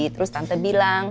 terus tante bilang